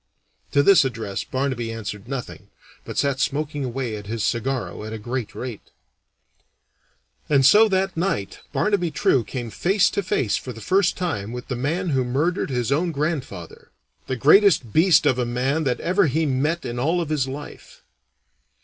To this address Barnaby answered nothing, but sat smoking away at his cigarro at a great rate. And so that night Barnaby True came face to face for the first time with the man who murdered his own grandfather the greatest beast of a man that ever he met in all of his life.